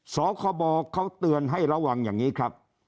สคบเขาเตือนให้ระวังอย่างนี้ครับ